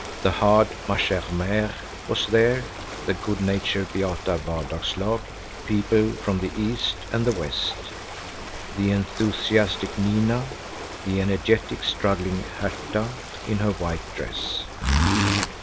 The hard "ma chère mère" was there, the goodnatured Beata Hvardagslag, people from the East and the West, the enthusiastic Nina, the energetic, struggling Hertha in her white dress.